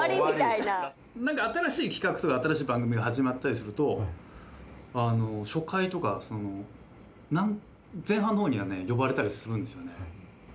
なんか新しい企画とか新しい番組が始まったりすると初回とか前半の方にはね呼ばれたりするんですよね。